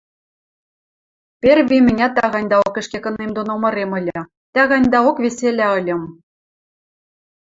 Перви мӹнят тӹ ганьдаок ӹшке кынем доно мырем ыльы, тӓ ганьдаок веселӓ ыльым.